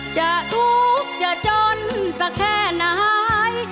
จะตุ๊กจะจนสักแค่ไหน